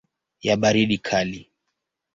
ya baridi kali.